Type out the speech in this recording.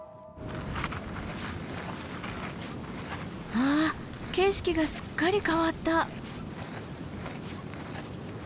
わあ景色がすっかり変わった。